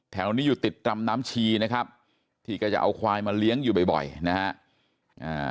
แถวนี้อยู่ติดรำน้ำชีนะครับที่ก็จะเอาควายมาเลี้ยงอยู่บ่อยนะฮะอ่า